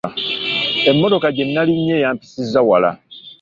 Emmotoka gye nnalinye yampisizza wala.